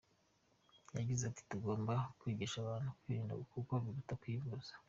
Yagize ati “Tugomba kwigisha abantu kwirinda kuko biruta kwivuza.